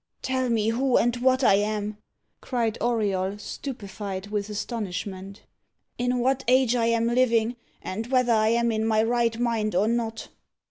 "Tell me who and what I am," cried Auriol, stupefied with astonishment; "in what age I am living; and whether I am in my right mind or not?"